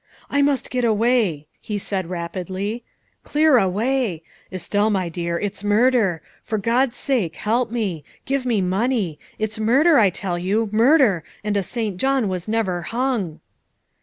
" I must get away," he said rapidly, " clear away. Estelle, my dear, it's murder. For God's sake help me. Give me money. It's murder, I tell you murder, and a St. John was never hung."